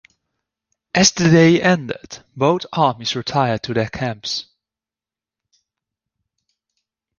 As the day ended, both armies retired to their camps.